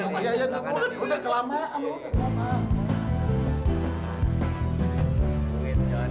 iya iya bener bener kelamaan